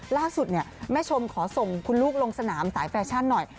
ล่าสุดเนี่ยแม่ชมขอส่งคุณลูกลงสนามสายแฟชั่นหน่อย